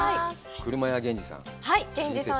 車屋・源氏さん。